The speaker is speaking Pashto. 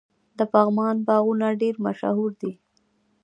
د پغمان باغونه ډیر مشهور دي.